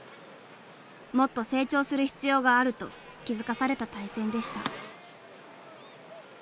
もっと成長する必要があると気付かされた対戦でした。